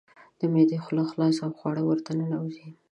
د معدې خوله خلاصه او خواړه ورته ننوزي.